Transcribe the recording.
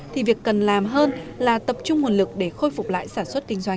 thì việc cần làm hơn là tập trung nguồn lực để khôi phục lại sản xuất kinh doanh